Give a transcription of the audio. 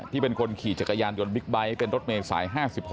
เป็นคนขี่จักรยานยนต์บิ๊กไบท์เป็นรถเมย์สาย๕๖